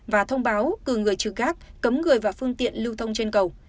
và thông báo cử người trừ gác cấm người và phương tiện lưu thông trên cầu